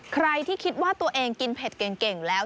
ใครที่คิดว่าตัวเองกินเผ็ดเก่งแล้ว